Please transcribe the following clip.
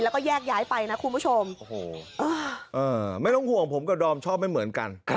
แล้วก็แยกย้ายไปนะคุณผู้ชมไม่ต้องห่วงผมกับดอมชอบไม่เหมือนกัน